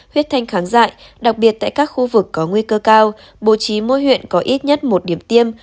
huyết thanh kháng dại đặc biệt tại các khu vực có nguy cơ cao bố trí mỗi huyện có ít nhất một điểm tiêm